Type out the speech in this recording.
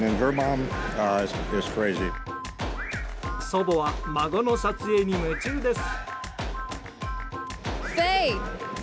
祖母は孫の撮影に夢中です。